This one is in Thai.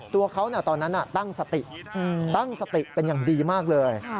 ตัวเขาตอนนั้นตั้งสติตั้งสติเป็นอย่างดีมากเลย